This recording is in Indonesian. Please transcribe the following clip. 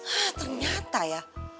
hah ternyata ya